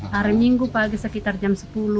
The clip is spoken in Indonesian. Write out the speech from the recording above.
hari minggu pagi sekitar jam sepuluh